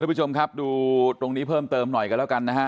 ผู้ชมครับดูตรงนี้เพิ่มเติมหน่อยกันแล้วกันนะฮะ